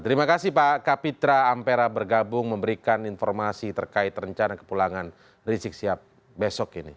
terima kasih pak kapitra ampera bergabung memberikan informasi terkait rencana kepulangan rizik sihab besok ini